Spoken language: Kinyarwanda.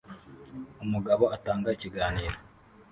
Umugabo atanga ikiganiro